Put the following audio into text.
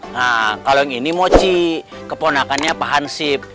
nah kalau yang ini mochi keponakannya pak hansip